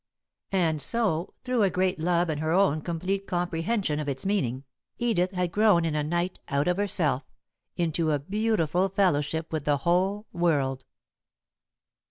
And so, through a great love and her own complete comprehension of its meaning, Edith had grown in a night out of herself, into a beautiful fellowship with the whole world.